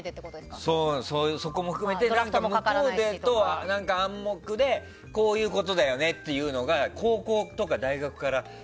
そこも含めて向こうでは暗黙でこういうことだよねっていうのが高校とか大学とか。